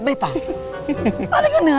bete itu langsung dong olok olok